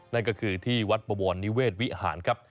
นั่นก็คือที่วัดบวรนิเวศวิหารครับ